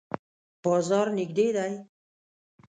بازار نږدې دی؟